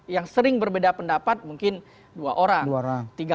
yang sering berbeda pendapat mungkin dua orang